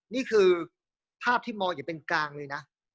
นี่คือภาพที่มองอย่างเป็นกลางเลยนะ